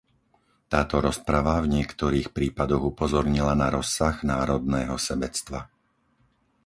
Táto rozprava v niektorých prípadoch upozornila na rozsah národného sebectva.